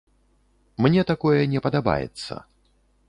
Мне такое не падабаецца.